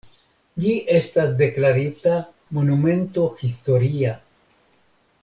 Ĝi estas deklarita monumento historia.